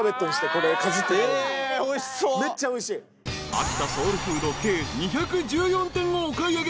［秋田ソウルフード計２１４点をお買い上げ］